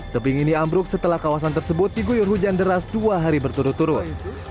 tebing ini ambruk setelah kawasan tersebut diguyur hujan deras dua hari berturut turut